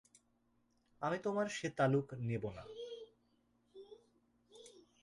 আমি তোমার সে তালুক নেব না।